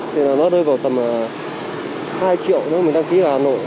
thì nó đôi vào tầm hai triệu nếu mình đăng ký hà nội